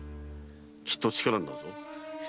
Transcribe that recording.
きっと力になるぞ。